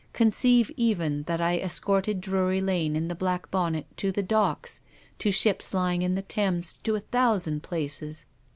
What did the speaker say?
Conceive, even, that I escorted Drury Lane in the black bonnet to the Docks, to ships lying in the Thames, to a thousand places